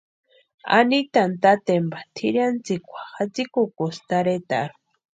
Anitani tatempa tʼirhiantsikwa jatsikukusti tarhetarhu.